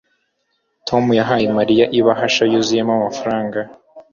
Tom yahaye Mariya ibahasha yuzuyemo amafaranga.